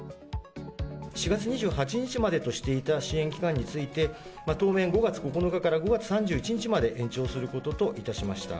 ４月２８日までとしていた支援機関について、当面、５月９日から５月３１日まで延長することといたしました。